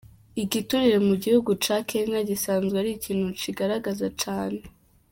Igiturire mu gihugu ca Kenya gisanzwe ari ikintu cigaragaza cane.